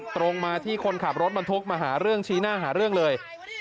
ตรงมาที่คนขับรถบรรทุกมาหาเรื่องชี้หน้าหาเรื่องเลย